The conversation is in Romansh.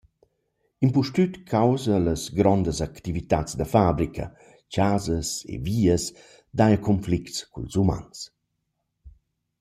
Impustüt causa las grondas activitats da fabrica, chasas e vias, daja conflicts culs umans.